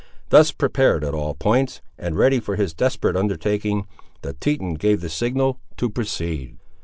Thus prepared at all points, and ready for his desperate undertaking, the Teton gave the signal to proceed.